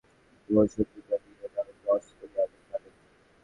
বিশিষ্ট ব্যক্তিত্ব— দাবারু নিয়াজ মোরশেদ, বিজ্ঞানী রোনাল্ড রস, কবি আবু সালেহ।